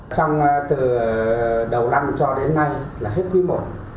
trong từ đầu năm cho đến nay là hết quy mô